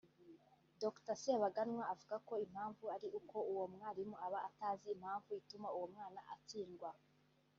Dr Sebaganwa avuga ko impamvu ari uko uwo mwarimu aba atazi impamvu ituma uwo mwana atsindwa